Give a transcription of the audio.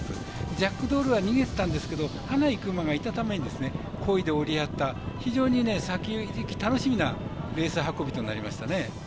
ジャックドールは逃げていたんですがハナにいたために折り合った非常に先が楽しみなレース運びになりました。